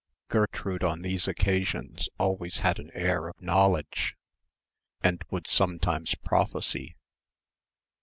Gertrude on these occasions always had an air of knowledge and would sometimes prophesy.